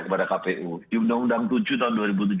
kepada kpu di undang undang tujuh tahun dua ribu tujuh belas